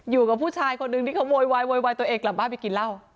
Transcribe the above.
อยู่กับผู้ชายคนหนึ่งที่เขาโวยวายโวยวายตัวเองกลับบ้านไปกินเหล้า